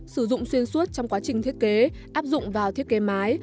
sử dụng xuyên suốt trong quá trình thiết kế áp dụng vào thiết kế mái